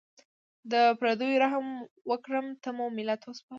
د پردیو رحم و کرم ته مو ملت وسپاره.